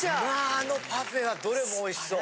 あのパフェはどれもおいしそう。